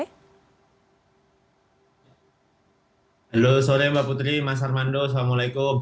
halo sore mbak putri mas armando assalamualaikum